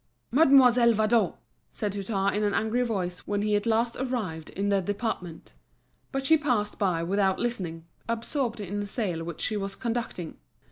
"Mademoiselle Vadon!" said Hutin, in an angry voice, when he at last arrived in the department. But she passed by without listening, absorbed in a sale which she was conducting.